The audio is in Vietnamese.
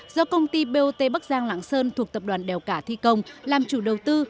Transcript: do công ty bot bắc giang lạng sơn thuộc tập đoàn đèo cả thi công làm chủ đầu tư